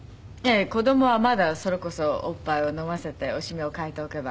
子供はまだそれこそおっぱいを飲ませておしめを替えておけば。